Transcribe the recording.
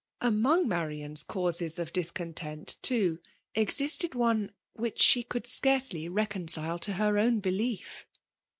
' Among Marianas causes of discontent, toc^ existed one, whidi dbe could scarcely reconcik to her own belief.